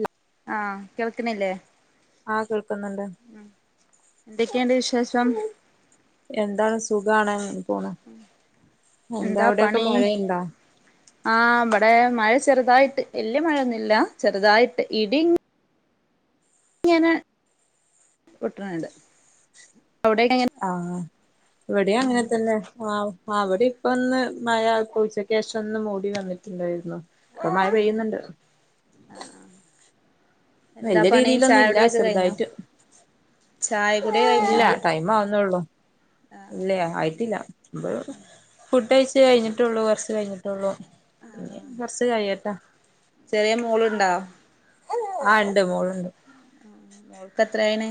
ഉം ആ കേൾക്കണില്ലേ ആ കേൾക്ക്ന്നെണ്ട് എന്തൊക്കെയെണ്ട് വിശേഷം എന്താണ് സുഖാണ് പോണ് എന്താ അവിടെയൊക്കെ പണി മഴയുണ്ടാ ആ ഇവ ടെ മഴ ചെറുതായിട്ട് വല്യ മഴയൊന്നു ഇല്ല ചെറുതായിട്ട് ഇടി ഇങ്ങനെ പൊ ആഹ ഇവിടെ അങ്ങനെ തന്നെ ആ അവിടെ ഇപ്പ ഒന്ന് മഴ ഇപ്പുച്ചക്കേശം ഒന്ന് മൂടി വന്നിട്ടിണ്ടായിരുന്നു ഇപ്പൊ മഴ പെയ്യുന്നെണ്ട് എന്താ വല്യ പണി രീതിയിലൊന്നും ഇല്ല ചായകുടിയൊക്കെ കഴിഞ്ഞോ ശെറുതായിട്ട് ചായകുടി ഇല്ല കഴിഞ്ഞോ ടൈം ആവുന്നെ ഒള്ളു ഫുഡ് കഴച്ച് കഴിഞ്ഞിട്ടുള്ളൂ കൊറച്ച് കഴിഞ്ഞിട്ടുള്ളൂ പിന്നെ കുറച്ച് കഴിയെട്ടാ ചെറിയ മോള് ഇണ്ടാ ആ എണ്ട് മോളെണ്ട് മോൾക്ക് എത്രയേണ്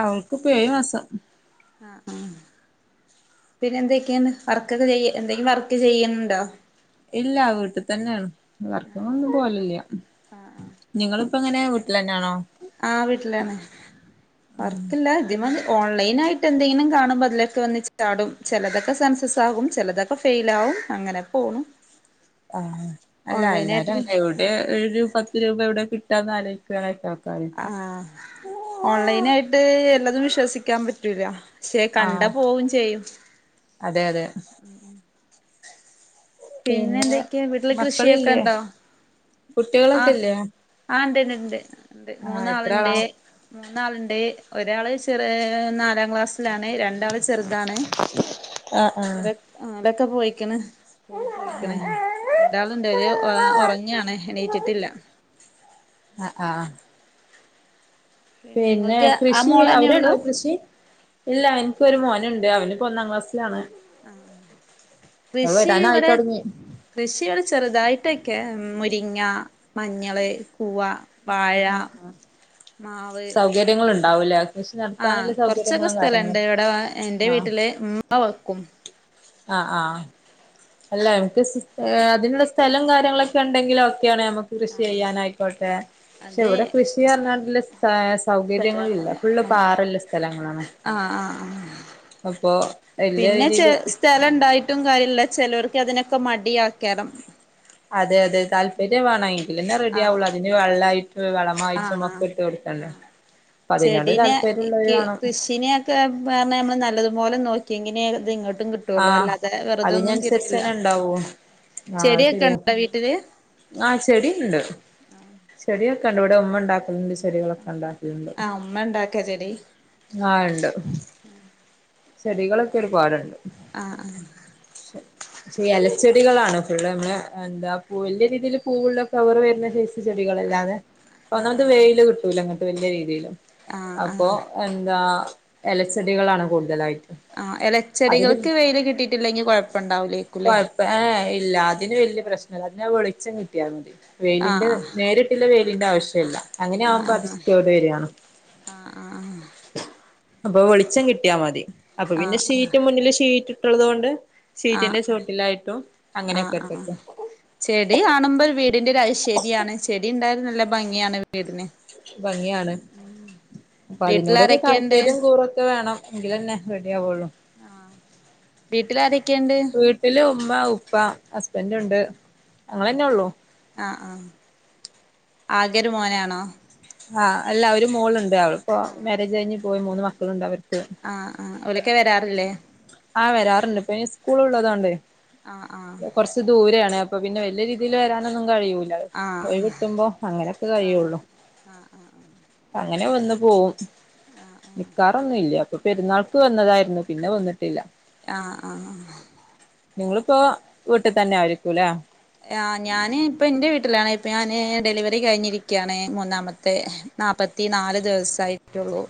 അവൾക്ക് ഇപ്പ ഏഴ് മാസം ആ ആ പിന്നെ എന്തൊക്കെയാന്ന് വർക്കക്ക ചെയ്യ എന്തെങ്കിലും വർക്ക് ചെയ്യണിണ്ടോ ഇല്ല വീട്ട് തന്നെയാണ് വർക്കിന് ഒന്നും പോവലില്ല നിങ്ങള് ഇപ്പ എങ്ങനെ വീട്ടിലെന്നാണോ ആ വീട്ടിലാണ് വറക്കില്ല ആദ്യമ ഓൺലൈൻ ആയിട്ട് എന്തെങ്കിലും കാണുമ്പോ അതിലൊക്കെ വന്ന ചാടും ചിലതൊക്കെ സെൻസസ് ആകും ചിലതൊക്കെ ഫെയിൽ ആകും അങ്ങനെക്കെ പോണു ആഹ അല്ല ഓൺലൈനായിട്ട് എല്ലാരും അല്ല എവിടെ ഏ രൂപ പത്ത് രൂപ എവിടെ കി ഇന്ന്രക്കക്ക [unintelligible] ആഹ ഓൺലൈൻ ആയിട്ട് എല്ലാതും വിശ്വസിക്കാൻ പറ്റ് ശ പ്രരി [unintelligible] ക്ഷേ കണ്ടാ ആഹ് പോവും ചെയ്യും അതെ അതെ പിന്നെ എന്തൊക്കെയാ വീട്ടില് കൃഷിയൊക്കെ മക്കളില്ലേ ഇണ്ടോ കുട്ടികളൊക്കെ ഇല്ലേ ഉണ്ട് ഉണ്ട് ആഹ് എത്ര ആളാ മൂന്നാളുണ്ട് മൂന്നാളുണ്ട് ഒരാള് ചെറിയ നാലാം ക്ലാസ്സിലാണ് രണ്ടാമ ചെറുതാണ് ആഹ് ആഹ് ഒക്കെ പോയിക്കണ പോയി പോയിക്കണേ എന്താളുണ്ട് ഉറങ്ങിയാണ് ആഹ ആഹ് പിന്നെ നിങ്ങൾക്ക് ആ കൃഷി മോളന്നെ ഉള്ളൂ അവിടെണ്ട കൃഷി ഇല്ല എനിക്ക് ഒരു മോനുണ്ട് അ അവനി ഇപ്പോ ഒന്നാം ക്ലസ്സിലാണ് ആ കൃഷി വരാനായി ഇവിടെ തൊടങ്ങി കൃഷിവിടെ ചെറുതായിട്ടൊക്കെ രിങ്ങ മഞ്ഞള് കൂവ വായ മാവ് സൗകര്യങ്ങൾ ഉണ്ടാവൂലേ കൃഷി ആഹ നടത്താനുള്ള കൊറച്ചൊക്കെ സൗകര്യങ്ങളും സ്ഥലണ്ട് കാര്യങ്ങളും ഇവിടെ എന്റെ വീട്ടില് ഉമ്മ വെക്കും ആഹ ആഹ അല്ല അതിനുള്ള സ്ഥലം കാര്യങ്ങളൊക്കെ ഉണ്ടെങ്കില [unintelligible] യാണ് നമ്മക്ക് കൃഷിചെയ്യാനആയിക്കോട്ടെ അത് പക്ഷെഇവിടെകൃഷി പറഞ്ഞാ സൗകര്യങ്ങളില്ല സ്ഥലണ്ടല്ല ഫുള്ള് ആഹ് പാറുള്ള സ്ഥലങ്ങളാണ് ആഹ് ആഹ് അപ്പോ പിന്നെ ചെ സ്ഥലം ണ്ടായിട്ടും കാര്യല്ല ചെലോർക്ക് അതിനൊക്കെ മടിയാകാരം അതെ അതെ താല്പര്യം വേണം എങ്കിൽന് റെഡി ആവുള്ളൂ അതിന്‌വെള്ളയിട്ട് ആഹ ആ അപ്പൊ അതിനോട് ചെടിനെ താല്പര്യമുള്ളവര് വേണം കൃഷിനെക്കെ പറണ നമ്മള് നല്ലതുപോലെ നോക്കി ഒെങ്ങെ [unintelligible] ആ അതിനനുസരിച്ച് തന്നെ ഉണ്ടാവോ ആ ചെടിയൊക്കെ ശരിയാ ഉണ്ടോ വീട്ടില് ആ ചെടി ഇണ്ട് ചെടിയൊക ഒണ്ട് ഇവിടെ ഉമ്മ ഉണ്ടാക്കുന്നുണ്ട് ചെടികളൊക്കെ ഉണ്ടോ ആ ഉമ്മ ഉണ്ടാക്ക ചെടി ആഹ് ഇണ്ട് ചെടികളൊക്കെ ഒരുപാടുണ്ട് ആ ആ [unintelligible] എന്ത രീതിൽ പൂവുള്ള കവർ വര [unintelligible] ചെടികല്ലാതെ ആ ഒന്നാമത് വെയില് കിട്ടൂല്ല വല്യ രീതില് ആ ആ അപ്പൊ എന്താ? എലച്ചെടികളാണ് കൂടുതലായിട് ആ എല അതിന് കുഴപ്പണ്ടാവൂലേക്കുല്ലേ കൊഴപ്പ ഏ ഇല്ല അതിന് വല്യ പ്രശ്നംല്ല അതിന വിെളിച്ച കിട്ട [unintelligible] ആ വെയിലിന്റെ നേരിട്ടുള്ള വെയിലിന്റെ ആവശ്യല്ല അങ്ങനെ ആ ആ ആവുമ്പോ അത് സയോട് വരിണ് ആ ആ അപ്പൊ വെളിച്ചം കിട്ടിയാ മതി ആ ആ ശീറ്റ്ട്ട്ള്ളത്കൊണ്ട് ആ ആ ആ അങ്ങനെയൊക്കെ ആ ഇട്ടൊക്കെ ചെടി കാണുമ്പോൾ വീടിന്റൊരു ഐശ ശരിയാണ് ചെടി ഇണ്ടായ നല്ല നല്ല ഭംഗിയാണ് വീടിന് ഭംഗിയാണ് അപ്പൊ അതിനോടൊക്കെ വീട്ടിലാരൊക്കെയുണ്ട് താല്പര്യം കൂറൊക്കെ വേണം എങ്കില ന്നെ ആ വീട്ടിലാരൊക്കെ ഇണ്ട്? അമ്മ ഉപ്പ ഹസ്ബന്റ് ഉണ്ട് ഞങ്ങളന്നെ ഉള്ളൂ ആ ആ ആകെ ഒരു മോനാണോ ആ അല്ല ഒരു മോളുണ്ട് അവൾ അപ്പോ മാര്യേജ് കഴിഞ്ഞ് പോയി മൂന്ന് മക്കളുണ്ട് അവര് ആ ആ ഓല ഒക്കെ വരാറില്ലേ ആ വരാറുണ്ട് ഇപ്പൊ ഇനി സ്കൂൾ ഉള്ളതോണ്ടെ ആഹ് ആഹ് കൊറച്ച് ദൂരാണ് അപ്പം പിന്നെ വല്യയ രീതിയിൽ വരാനൊന്നും കഴിയൂല്ല ആഹ് ഒയ്വ്ട്ടുമ്പോ അങ്ങനൊക്കെ കഴിയാെള്ളു അങ്ങനെ വന്ന് പോവും നിക്കാറൊന്നും ഇല്ല ഇപ്പം പെരുന്നാൾക്ക് വന്നതായ്ര്ന്നു പിന്നെ വന്നിട്ടില്ല ആ ആ നിങ്ങളിപ്പോ വീട്ടിൽ തന്നെ ആയിരിക്കൂല്ലേ ആ ഞാന് ഇപ്പം എൻ്റെ വീട്ടിലാണെ ഇപ്പൊ ഞാന് ഡെലിവറി കഴിഞ്ഞിരിക്കയാണ് മൂന്നാമത്തെ നാപ്പത്തി നാല് ദിവസായിട്ടുള്ളൂ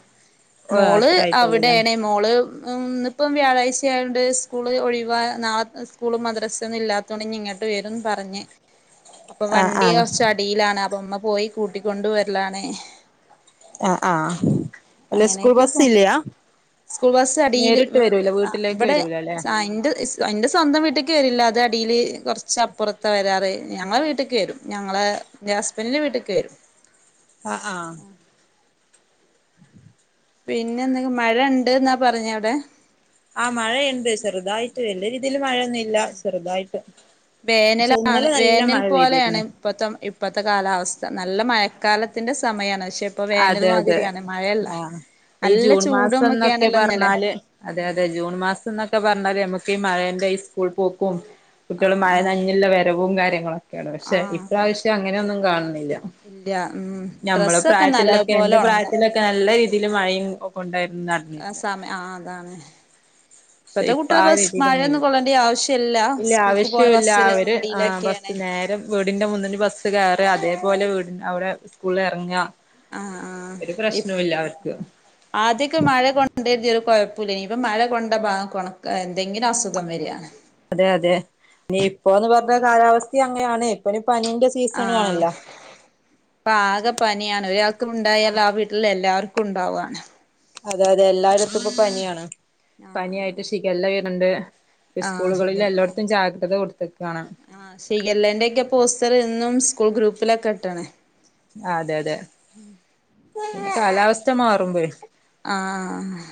ഓ മോള് അത്ര ആയിട്ടുള്ളൂല്ലേ അവിടേണേ മോള് ഇന്നിപ്പം വ്യാഴാഴ്ച്ച ആയൊണ്ട് സ്കൂള് ഒഴിവാ നാളെ സ്കൂള് മദ്രസാെന്നും ഇല്ലാത്തോണ്ട് ഇന്നി ഇങ്ങ ങ്ങട്ട് വരുംന്ന് പറഞ്ഞ് അപ്പൊ ആഹ് വണ്ടി ആഹ് കൊറ്ച്ച് അടിയിലാണ് അപ്പൊ മ്മ പോയി കൂട്ടിക്കൊണ്ട് വരലാണ് ആഹ് ആഹ് അല്ല സ്കൂൾ അങ്ങനെയൊക്കെ ബസ് പോണ് ഇല്ലയാ സ്കൂൾ ബസ്സ് അടിയില് നേരിട്ട് വരൂല വീട്ടിലേക്ക് ഇവടെ വരൂല അല്ലേ ന്റെ എന്റെ സ്വന്തം വീട്ടിൽ വരില്ല അത് ടിയില് കൊർ ർച്ച് അപ്പുറത്താ വരാറ് ഞങ്ങളെ വീട്ടിക്ക് വരും ഞങ്ങളെ ന്റെ ഹസ്ബന്റിന്റെ വീട്ടിക്ക് വരും അ ആ പിന്നെ എന്തെക്കെ മഴണ്ട്ന്നാ പറഞ്ഞെ അവ്ടെ ആ മഴയ്ണ്ട് ചെറ്തായിട്ട് വല്യ രീതിയിൽ മഴയൊന്നും ഇല്ല ചെറുതായി വേനലാണ് വേനൽ മഴ പോലെയാണ് പെയ്തിരുന്നു ഇപ്പത്തെ ഇപ്പത്തെ കാലാവസ്ഥ നല്ല മയ ക്കാലത്തിന്റെ സമയാണ് പക്ഷേ അതെ അതെ ആ ഈ നല്ല ജൂൺ ചൂടും മാസംന്നൊക്കെ ഒക്കെയാണല്ലോ ഇന്നലെ പറഞ്ഞാല് അതെ അതെ ജൂൺ മാസംന്നൊക്കെ പറഞ്ഞാല് ഞമ്മക്ക് ഈ മഴേന്റെ പ്പോൾ പോ പോം കുട്ടികള് ആഹ് മഴ ആഹ് നനഞ്ഞ്ളള വരവും കാ [unintelligible] ക്കെയാണ് പക്ഷെ ഇപ്രാവശ്യം അങ്ങനെ ഒന്നും കാണ് ഇല്ല്യ ഉം ഡ്രെസ്സാെ പ്രായത്തിലൊക്കെ എൻ്റെ പ്രായത്തിലൊക്കെ നൽ ല്ല രീതിയില് മഴയും ഒക്കെ ഉണ്ടായി ആ സമയം ആ അതാണ് ക്ഷെ ഇപ്പത്തെ ഇപ്പൊ കുട്ടികൾ ആ ബസ് രീതിയിൽ ഒന്നും ഇല്ല മഴയൊന്നും കൊള്ളേണ്ട ആവശ്യല്ല ഇല്ല സ്കൂൾക്ക് പോകാൻ ആവശ്യോംല്ല ബസ്സില് അവര് ആഹ് വണ്ടിയിലൊക്കെയാണ് ബസ്സ് നേരെ വീടിന്റെ മുന്നിന്ന് ബസ്സ് കയറ അതേപോലെ വീ അവിടെ സ്കൂളിൽ എറങ്ങ ആഹ് ആ ഇപ്പോ അവർക്ക് ആഹ് ആദ്യം ഒക്കെ മഴ കൊണ്ട് വിചാരിച്ച് ഒരു കൊഴ പ്പോം ഇല്ലേനി ഇപ്പം മഴ കൊണ്ട [unintelligible] ഏ എന്തെങ്കിലും അസുഖം വരാണ്. അതെ അതെ ഇനി ഇപ്പോന്ന് പറഞ്ഞ കാലാവസ്ഥയും അങ്ങനെയാണ് ഇപ്പ ഇനി ആഹ് ഇപ്പ ആകെ പനിയാണ് ഒരാൾക്കു ഉണ്ടായാൽ ആ വീട്ടിലെ എല്ലാർ ക്കും ഉണ്ടാവാണ് അതെ അതെ എല്ലായിടത്തും ഇപ്പൊ പനിയാണ് ആഹ് പനിയായിട്ട് ഷിഗല്ല വെ ണുണ്ട് ആഹ് ഇസ്കൂളുകളിൽ ശിഖല്ല എല്ലോട്ത്തും ജാഗ്രത കൊടു ആഹ് ഷിഗല്ലെന്റെ ഒക്കെ പോസ്റ്ററ് ഇന്നും സ്കൂൾ ഗ്രൂപ്പിലൊക്കെ ഇട്ട്ണ് അതെ അതെ കാലാവസ് സ്ഥ മാറുമ്പേ ആഹ്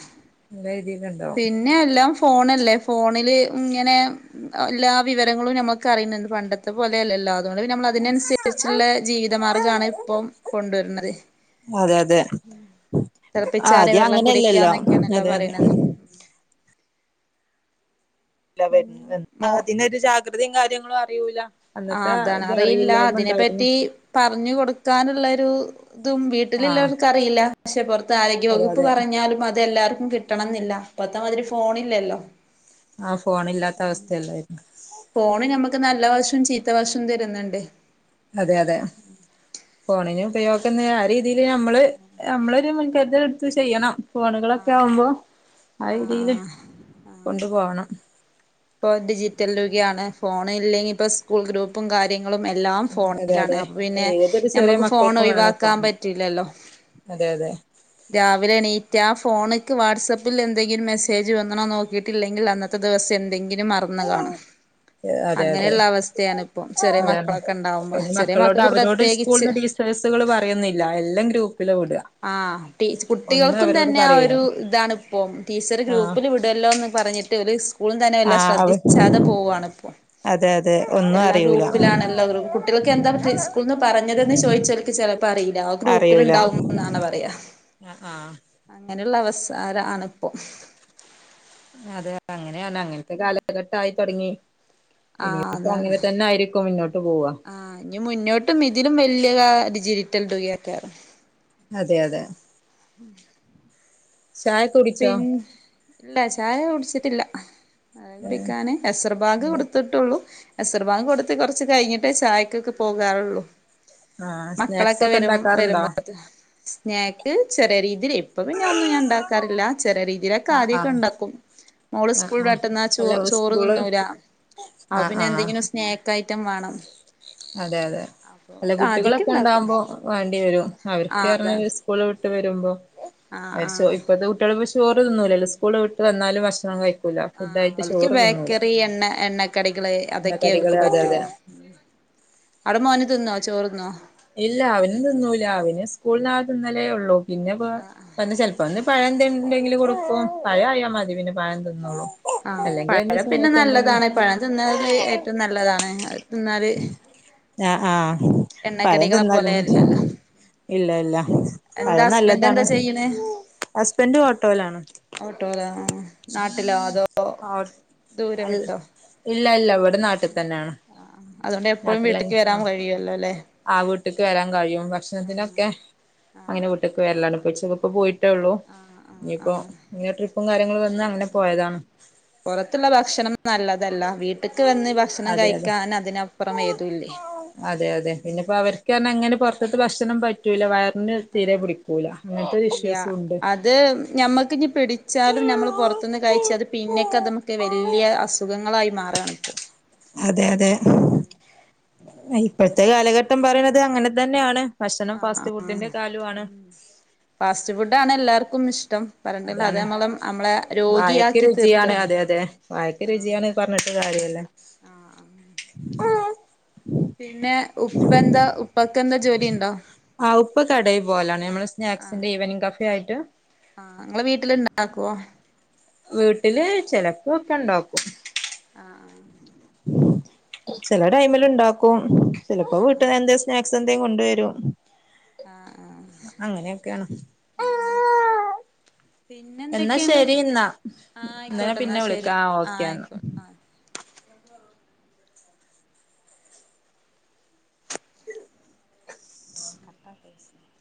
[unintelligible] പിന്നെ എല്ലാം ഫോണല്ലേ ഫോണില് ഇങ്ങനെ എല്ലാ വിവരങ്ങളും ഞമ്മക്ക് അറിയുന്നുണ്ട് പണ്ടത്തെ പോലെയല്ലല്ലോ അതുകൊണ്ട് പിന്നെ നമ്മള് അതിനനുസരിച്ചുള്ള ജീവിതമാർഗാണ് ഇപ്പം കൊണ്ടുവരുന്നത് അതെ അതെ ഉം തിളപ്പിച്ചാറിയ ആദ്യം വെള്ളം അങ്ങനെയല്ലല്ലോ കുടിക്കാന്നൊക്കെയണല്ലോ അതെ അതെ പറയുന്നത് [inaudible] മോ അതിനൊരു ജാഗ്രതയും കാര്യ ഇങ്ങളും അറിയൂല ആ അന്നത്തെ അതാണ് ഇത് അറിയില്ല അറിവില്ലായ്മ അതിനെ ഉണ്ടായിരുന്നു പറ്റി പറഞ്ഞു കൊടുക്കാനുള്ളൊരു ഇതും ആഹ് വീട്ടിലുള്ളവർക്ക് അറിയില്ല പക്ഷെ പുറത്ത് അതെ ആരോഗ്യവകുപ്പ് അതെ പറഞ്ഞാലും അതെല്ലാർ കിട്ടണമെന്നില്ല ഇപ്പത്തമാതിരി ഫോണില്ലല്ലോ ആ ഫോണില്ലാത്ത അവസ്ഥയല്ലായിരുന്നൊ ഫോണ് നമുക്ക് നല്ല വശം ചീത്ത വശം തെരുന്നുണ്ട് അതെ അതെ ഫോണിന് ഉപയോഗം ആ രീതി അമ്മള് ഞമ്മളൊരു മുൻകരുതലെടുത്ത് ചെയ്യണം ഫോണുകളൊക്കെ ആവുമ്പോ ആ രീതീല് ആഹ് കൊണ്ടു പോകണം ഇപ്പൊ ഡിജിറ്റൽലുഗെയാണ് ഫോൺ ഇല്ലെങ്കി ഇപ്പോ സ്കൂൾ ഗ്രൂപ്പും കാര്യങ് ളും എല്ലാം അതെ ഫോണിലാണ് അതെ അപൊ പിന്നെ ഏതൊരു ചെറിയ ഞമ്മക്ക് മക്കൾക്കും വേണം ഫോണൊഴിവാക്കാൻ ഫോണ് പറ്റൂലല്ലോ അതെ അതെ രാവിലെ എണീറ്റാ ഫോണ് എടക്ക് വാട്സപ്പിൽ എന്തെങ്കിലും മെസ്സേജ് വന്ന്ണോ നോക്കിയിട്ടില്ലെങ്കിൽ അന്നത്തെദിവസം എൻ മറന്ന് കാണും അതെ അതെ അങ്ങനെയുള്ള അവസ്ഥയാണ് ഇപ്പം ചെറിയ അതാണ് മക്കളൊക്കെ ഇണ്ടാവുമ്പോ അതിന് ചെറിയ മക്കളോട് മക്കക്ക് അവരോട് പ്രത്യേകിച്ച് സ്കൂളിന്ന് ടീച്ചേഴ്സുകൾ പറയുന്നില്ല എല്ലാം ഗ്രൂപ്പില് വിടുക ആ ട്ടീച് ഒന്നും കുട്ടികൾക്കും അവരോട് തന്നെ ആ പറയൂല ഒരു ഇതാണ്പ്പം ടീച്ചർ ആ ഗ്രൂപ്പിൽ വിടുല്ലോന്ന് പറഞ്ഞിട്ട് [unintelligible] സ്കൂൾ തന്നെ ആ എല്ലാം ശ്രദ്ധിച്ചാതെ പോവാണ് ഇപ്പോ അതെ അതെ ഒന്നും എല്ലാ അറിയൂല ഗ്രൂപ്പിലാണെല്ലോ കുട്ടികൾക്ക് എന്താ ട്ടീ സ്കൂള്ന്ന് പറഞ്ഞതെന്ന് ചോയിച്ചാ ഓൽക്ക് ചെലപ്പം അറീല ആ ഗ്രൂപ്പില് അറിയൂല ഇണ്ടാവുംന്നാണ് പറയാ ആ ആ അങ്ങനെള്ള അവസരാണ് ഇപ്പൊം അതെ അങ്ങനെ അങ്ങനെയാണ് അങ്ങനത്തെ കാലഘട്ടായി തൊടങ്ങി ആ അതാണ് ആയിരിക്കും മുന്നോട്ട് പോവാ ആ ഇനി മുന്നോട്ടും ഇതിലും വല് ഡിജിറ്റല ഡിജിറ്റൽ തുകയൊക്കെ ആവും അതെ അതെ മ്മ് ചായ കുടിച്ചോ പിന്നെ ഇല്ല ചായ കുടിച്ചിട്ടില്ല ചായ കുടിക്കാന് എസർബാങ്ക് കൊടുത്തിട്ടുള്ളൂ എസർബാങ്ക് കൊടുത്ത് കൊറച്ച് കഴിഞ്ഞിട്ടേ ചായക്കൊക്കെ പോകാറുള്ളു ആ സ്നാക്സ് മക്കളൊക്കെ ഒക്കെ വെരും ഉണ്ടാക്കാറുണ്ടോ വരുമ്പോതിൻ സ്നാക്ക് ചെറിയ രീതിൽ ഇപ്പ പിന്നെ ഒന്നും ഞാൻ ഉണ്ടാക് റില്ല ചെറിയ രീതിയിലൊക്കെ ആ ആ ആദ്യക്കെ ഉണ്ടാക്കും മോള് ആ സ്കൂള് ആ വിട്ടുവന്നാൽ ചോ അല്ല ചോറ് സ്കൂള് തിന്നൂല ആ അപ്പം പിന്നെ ആ എന്തെങ്കിലും സ്നാക്ക് ഐറ്റം വേണം അതെ അതെ അപ്പൊ അല്ല ആദ്യൊക്കെ കുട്ടികളൊക്കെ ഉണ്ടാക്കും ണ്ടാകുമ്പോ വേണ്ടി വരും ആ അവര്ക്ക് പർഞാല് അതാണ് സ്കൂള് വിട് വിട്ട് വരുമ്പോ ആ അവര് ആ ച്ചോ ഇപ്പളത്തെ കുട്ട്യാള് ചോറ്തിന്നൂലല്ലോ സ്കൂള് വിട്ട് വന്നാലും ഭക്ഷണം കഴിക് ആ ഓൽക്ക് ബേക്കറി എണ്ണ എണ്ണക്കടികള് അതൊക്കെ അവൽക്ക് എണ്ണക്കടികള് അതെ അതെ പറ്റോള്ളൂ അടെ മോൻ മോന് തിന്നോ ചോറ്ന്നോ ഇല്ല അവനും തിന്നൂല അവന് സ്കൂളിന്ന് ആ തിന്നലേള്ളൂ പിന്നെ പ്പ ഒന്ന് ചെൽപ്പോന്ന് പഴ എന്ത് ഉണ്ടെങ്കില് കൊടുക്കോ ആ ആഹ് അല്ലെങ്കിൽ എന്ത് പഴം പിന്നെ ചായക്ക് എന്തെങ്കിലും നല്ലതാണ് പഴം തിന്നാല് ഏറ്റവും നല്ലതാണ് എന്നാല് ആ ആഹ് പഴം തിന്നാലും മതി പോലെയല്ലല്ലോ ഇല്ല ഇല്ല എന്താ പഴം ഹസ്ബൻഡ് എന്താ നല്ലതാണ് ചെയ്യണേ ഹസ്ബൻഡ് ഓട്ടോയിലാണ് ഓട്ടോലനോ നാട്ടിലോ അതോ ഓ ദൂരം വിട്ടോ ഇപ്പം നാട്ടിൽ തന്നെയാണ് ആ അതുകൊണ്ട് എപ്പോഴും നാട്ടിലന്നെ വീട്ടിക്ക് ആ വരാൻ കഴിയുവല്ലോ അല്ലേ ആ വീട്ടിലക്ക് വരാൻ കഴിയും ഭക്ഷണത്തിനൊക്കെ ആ അങ്ങനെ വീട്ടേക്ക് വരലാണ് [unintelligible] പോയി ള്ളൂ ആ ഇനിയിപ്പോ കാര്യങ്ങള് ഉം പൊറത്തുള്ള ഭക്ഷണം നല്ല തല്ല വീട്ടിക്ക് വന്ന് ഭക്ഷണം അതെ അതെ കഴിക്കാൻ അതിനപ്പറം വരൂല്ലേ ഉം പൊറത്തിത്തെ ഭക്ഷണം പറ്റൂല വയർ ആ ഇല്ല ഉണ്ട് അത് ഞമ്മക്കിനി പിടിച്ചാലും നമ്മൾ പുറത്തുന്ന് കഴിച്ച് അത് പിന്നെക്ക് അത് ഇമക്ക് വലിയ അസുഖങ്ങളായി മാറാണിപ്പോ അതെ അതെ ഇപ്പോഴത്തെ കാലഘട്ടം പറയണത് അങ്ങനെ തന്നെയാണ് ഭക്ഷണം ആ ഫാസ്റ്റ് ഫുഡിന്റെ കാലമാണ് ഉം ഫാസ്റ്റ് ഫുഡാണ് എല്ലാർക് ക്കും ഇഷ്ടം പറയണ്ടിന്ന് അത് അതാണ് നമ്മള് നമ്മളെ വായക്ക് രോഗിയാക്കി രുചിയാണ് തീർക്കാണ് അതെ അതെ വായക്ക് രുചിയാണ് പറഞ്ഞിട്ട് കാര്യ ഇല്ല ആ പിന്നെ ഉപ്പ എന്താ ഉപ്പക്ക് എന്താ ജോലി ഉണ്ടോ ആ ഉപ്പ കടേ പോലാണ് നമ്മള് സ്നാക്സിന്റെ ഈവനിങ് കഫായി ട്ട് ആ നിങ്ങള് വീട്ടിലിണ്ടാക്കോ വീട്ടില് ചെലപ്പൊക്കെ ണ്ടാക്കും ആ ആ ചെലെ ടൈമിലിണ്ടാക്കും ചെലപ്പോ വീട്ട എന്തേ സ്നാക് സെന്തേ കൊണ്ടേരും ആഹ് ആഹ് അങ്ങനെക്കെണ് പിന്നെ എന്നാ എന്തൊക്കെയുണ്ട് ശെരി ന്നാ ആഹ് ഇന്ന ഞാ ആയിക്കോട്ടെ എന്നാ പിന്നെ ശരി വിളിക്കാം ആ ആഹ് ഓക്കെന്ന ആയിക്കോട്ടെ [unintelligible] കട്ടാ [unintelligible]